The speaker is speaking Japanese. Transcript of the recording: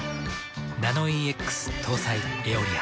ナノイーＸ搭載「エオリア」。